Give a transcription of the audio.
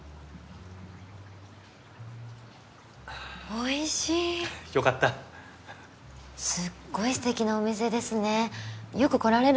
おいしいよかったすっごいすてきなお店ですねよく来られるんですか？